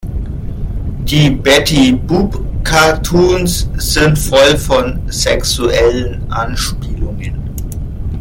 Die Betty-Boop-Cartoons sind voll von sexuellen Anspielungen.